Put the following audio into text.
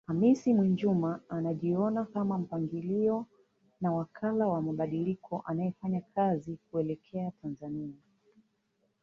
Hamis Mwinjuma anajiona kama mpangilio na wakala wa mabadiliko anayefanya kazi kuelekea Tanzania